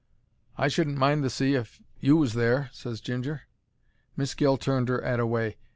"I shouldn't mind the sea if you was there," ses Ginger. Miss Gill turned her 'ead away.